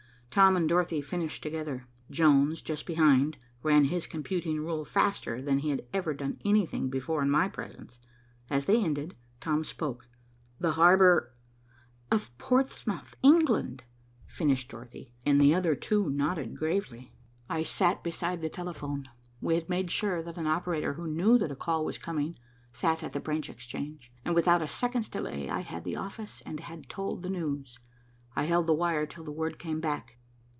Tom and Dorothy finished together. Jones, just behind, ran his computing rule faster than he had ever done anything before in my presence. As they ended, Tom spoke. "The harbor " "Of Portsmouth, England," finished Dorothy, and the other two nodded gravely. I sat beside the telephone. We had made sure that an operator who knew that a call was coming sat at the branch exchange, and without a second's delay I had the office and had told the news. I held the wire till the word came back.